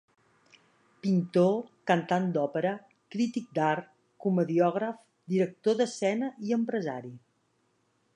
Pintor, cantant d'òpera, crític d'art, comediògraf, director d'escena i empresari.